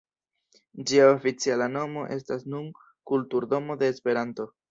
Ĝia oficiala nomo estas nun “Kulturdomo de Esperanto”.